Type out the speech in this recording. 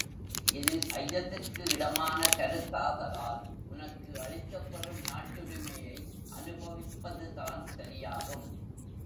இது ஐயத்திற்கு இடமான கருத்தாதலால் உனக்கு அளிக்கப்பெறும் நாட்டுரிமையை அனுபவிப்பது தான் சரியாகும்.